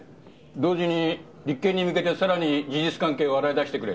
同時に立件に向けてさらに事実関係を洗い出してくれ。